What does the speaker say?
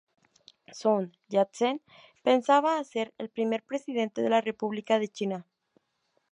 Sun Yat-sen pasaba a ser el primer presidente de la República de China.